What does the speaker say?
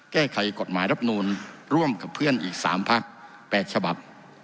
แก้ไขกฎหมายรับนูลร่วมกับเพื่อนอีก๓พัก๘ฉบับ